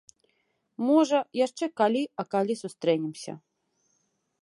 Можа, яшчэ калі а калі сустрэнемся.